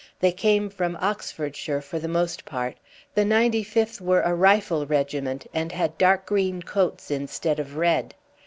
They came from Oxfordshire for the most part. The 95th were a rifle regiment, and had dark green coats instead of red.